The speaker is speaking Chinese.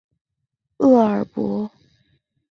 厄尔伯。